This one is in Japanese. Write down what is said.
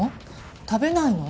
食べないの？